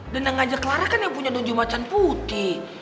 dan yang ngajak clara kan yang punya donjumacan putih